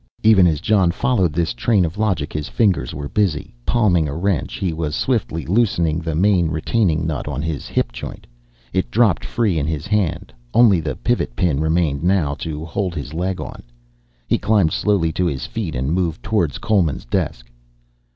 Even as Jon followed this train of logic his fingers were busy. Palming a wrench, he was swiftly loosening the main retaining nut on his hip joint. It dropped free in his hand, only the pivot pin remained now to hold his leg on. He climbed slowly to his feet and moved towards Coleman's desk. "Mr.